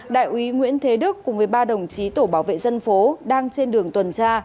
đại úy nguyễn thế đức cùng với ba đồng chí tổ bảo vệ dân phố đang trên đường tuần tra